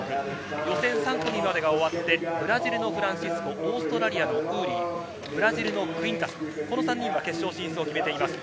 予選３組までが終わって、ブラジルのフランシスコ、オーストラリアのウーリー、ブラジルのクゥインタス、この３人は決勝進出を決めています。